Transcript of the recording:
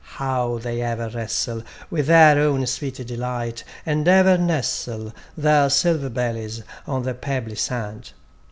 How they ever wrestle With their own sweet delight, and ever nestle Their silver bellies on the pebbly sand.